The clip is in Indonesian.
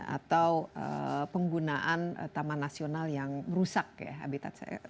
atau penggunaan taman nasional yang merusak ya habitat saya